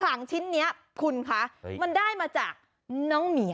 หลังชิ้นนี้คุณคะมันได้มาจากน้องเหมีย